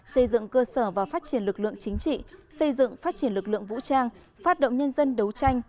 xây dựng cơ sở và phát triển lực lượng chính trị xây dựng phát triển lực lượng vũ trang phát động nhân dân đấu tranh